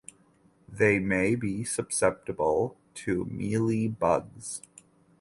They may be susceptible to mealybugs.